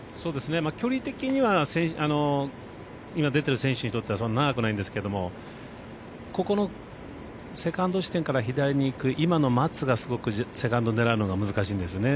距離的には今出てる選手にとっては長くないんですけどここのセカンド地点から左にいく今の松がすごくセカンド狙うのが難しいんですね。